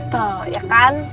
tuh ya kan